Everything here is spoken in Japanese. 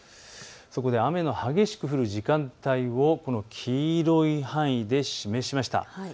そこで雨の激しく降る時間帯を黄色い範囲で示しました。